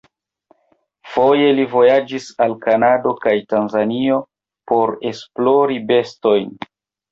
Foje li vojaĝis al Kanado kaj Tanzanio por esplori bestojn.